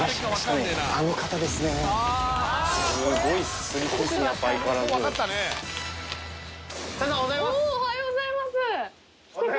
おはようございます！